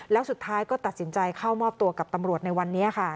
แล้วสุดท้ายก็ตัดสินใจเข้ามอบตัวกับตำรวจในวันนี้ค่ะ